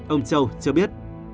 ông châu cho biết